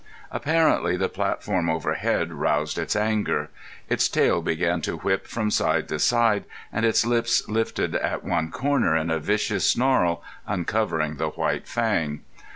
Apparently the platform overhead roused its anger. Its tail began to whip from side to side, and its lip lifted at one corner in a vicious snarl, uncovering the white fang.